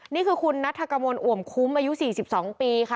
นี่คือคุณนัทกมลอ่วมคุ้มอายุ๔๒ปีค่ะ